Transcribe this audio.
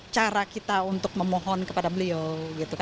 cara kita untuk memohon kepada beliau